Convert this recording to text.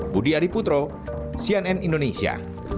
budi adiputro cnn indonesia